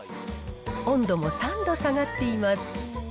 温度も３度下がっています。